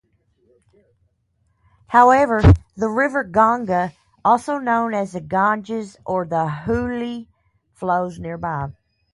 However, the river Ganga, also known as the Ganges or the Hooghly, flows nearby.